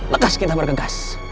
lekas kita bergegas